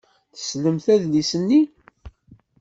Tessnem adlis-nni.